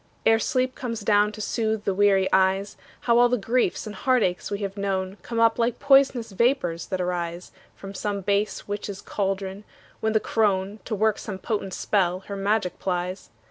Ere sleep comes down to soothe the weary eyes, How all the griefs and heartaches we have known Come up like pois'nous vapors that arise From some base witch's caldron, when the crone, To work some potent spell, her magic plies.